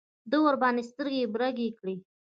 ده ورباندې سترګې برګې کړې.